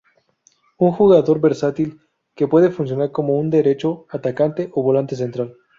Un jugador versátil, que puede funcionar como un derecho, atacante o volante central.